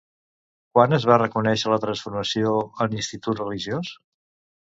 Quan es va reconèixer la transformació en institut religiós?